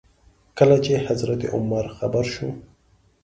کله چې حضرت عمر خبر شو.